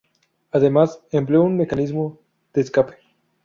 Además, empleó un mecanismo de escape.